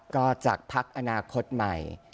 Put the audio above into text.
ก็จากพักอนาคตใหม่